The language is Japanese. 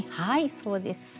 そうです。